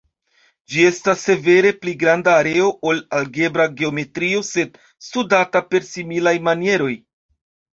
Ĝi estas severe pli granda areo ol algebra geometrio, sed studata per similaj manieroj.